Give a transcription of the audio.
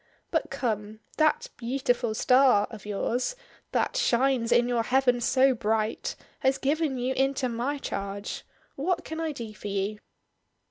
But come; that 'Beautiful Star' of yours, that 'shines in your heaven so bright,' has given you into my charge. What can I do for you?"